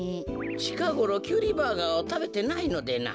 ちかごろキュウリバーガーをたべてないのでな。